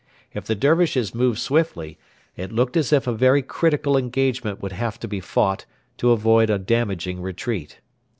If the Dervishes moved swiftly, it looked as if a very critical engagement would have to be fought to avoid a damaging retreat.